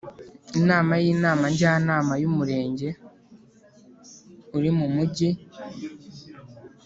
inama y Inama Njyanama y Umurenge uri mu mumujyi